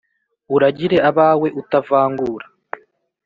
Uragire abawe utavangura